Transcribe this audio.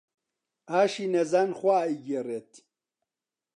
ئاشی نەزان خوا ئەیگێڕێت